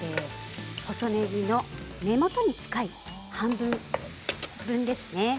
細ねぎの根元に近いところですね。